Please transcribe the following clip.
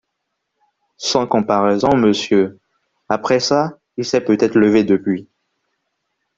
Sans comparaison, monsieur ; après ça, il s’est peut-être levé depuis…